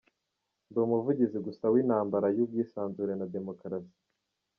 "Ndi umuvugizi gusa w'intambara y'ubwisanzure na demokarasi".